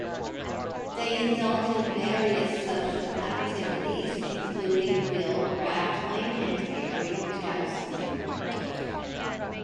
They indulge in various social activities, including bill-grappling and aerial jousting.